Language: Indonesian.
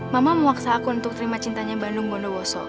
mama mau maksa aku untuk terima cintanya bandung gondowoso